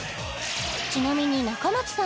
ちなみに仲松さん